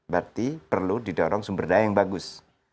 berarti perlu didorong sumber daya yang bagus